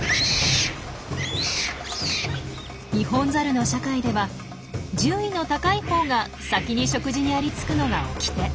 ニホンザルの社会では順位の高いほうが先に食事にありつくのが掟。